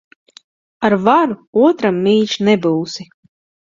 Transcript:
Ar varu otram mīļš nebūsi.